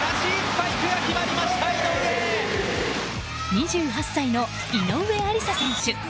２８歳の、井上愛里沙選手。